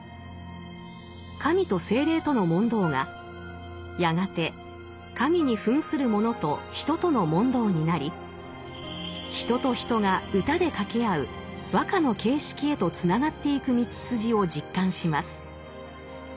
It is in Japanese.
神と精霊との問答がやがて神に扮する者と人との問答になり人と人が歌で掛け合う和歌の形式へとつながっていく道筋を実感します。